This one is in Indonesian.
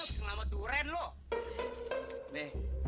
kenapa duren loh